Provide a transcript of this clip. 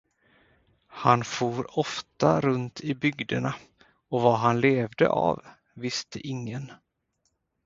Han for ofta runt i bygderna, och vad han levde av, visste ingen.